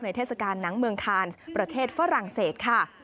เทศกาลหนังเมืองคานส์ประเทศฝรั่งเศสค่ะ